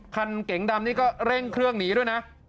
เก๋งดำนี่ก็เร่งเครื่องหนีด้วยนะ